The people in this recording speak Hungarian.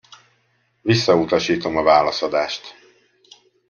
Visszautasítom a válaszadást.